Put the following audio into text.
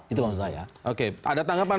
itu maksud saya oke ada tanggapan